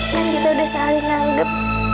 kan kita sudah saling anggap